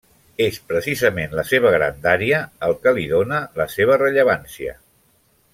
És precisament la seva grandària el que li dóna la seva rellevància.